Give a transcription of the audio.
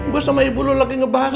gua sama ibu lu lagi ngebahas